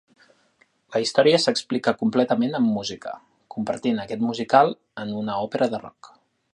La història s'explica completament amb música, convertint aquest musical en una òpera rock.